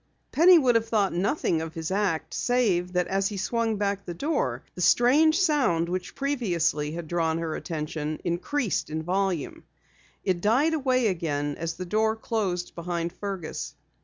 Penny would have thought nothing of his act, save that as he swung back the door, the strange sound which previously had drawn her attention, increased in volume. It died away again as the door closed behind Fergus.